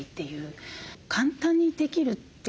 簡単にできるっていう。